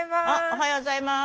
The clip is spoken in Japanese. おはようございます。